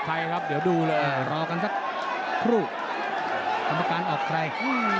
กรรมการออกใคร